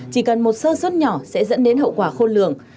chỉ cần một sơ suất nhỏ sẽ dẫn đến hậu quả khôn lường